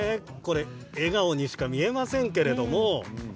笑顔にしか見えませんけれども。